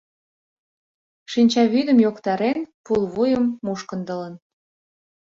Шинчавӱдым йоктарен, пулвуйым мушкындылын.